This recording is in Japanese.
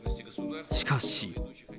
しかし。